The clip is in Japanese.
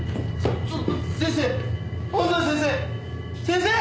先生！！